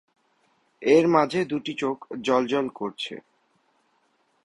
এর মাঝে দুটি চোখ জ্বলজ্বল করছে।